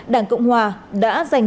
đảng cộng hòa đã dành